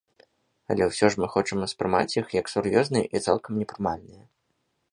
Але ўсё ж мы хочам ўспрымаць іх як сур'ёзныя і цалкам непрымальныя.